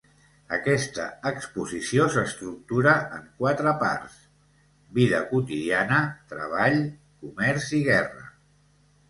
Aquesta exposició s’estructura en quatre parts: vida quotidiana, treball, comerç i guerra.